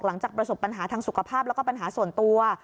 หลังจากประสบปัญหาทางสุขภาพแล้วก็ปัญหาส่วนตัว